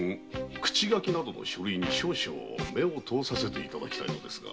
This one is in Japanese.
口書きなどの書類に目を通させていただきたいのですが。